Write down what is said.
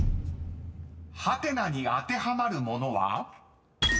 ［ハテナに当てはまるものは？］